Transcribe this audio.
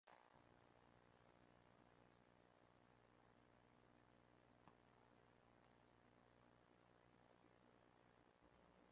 Aprovechando su contacto con los indígenas para conocer sus costumbres y aprender su lengua.